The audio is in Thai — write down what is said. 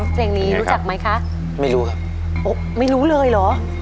เพลงนี้รู้จักไหมคะไม่รู้ครับไม่รู้เลยเหรอ